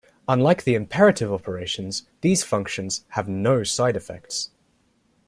Unlike the imperative operations, these functions have no side effects.